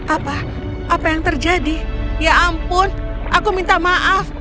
apa apa yang terjadi ya ampun aku minta maaf